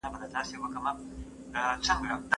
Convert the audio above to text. ورزش کول د روغتيا لپاره ګټور دي.